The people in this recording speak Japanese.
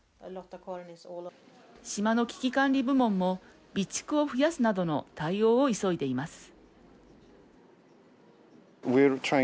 島の危機管理部門も備蓄を増やすなどの対応を急いでいます。